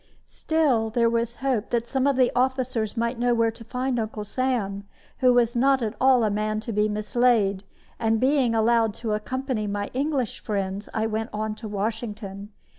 Still, there was hope that some of the officers might know where to find Uncle Sam, who was not at all a man to be mislaid; and being allowed to accompany my English friends, I went on to Washington.